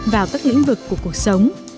vào các lĩnh vực của cuộc sống